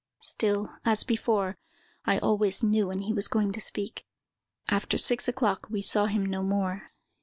Still, as before, I always knew when he was going to speak. After six o'clock, we saw him no more.